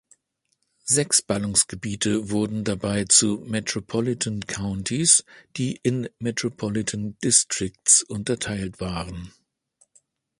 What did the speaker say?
Sechs Ballungsgebiete wurden dabei zu Metropolitan Counties, die in Metropolitan Districts unterteilt waren.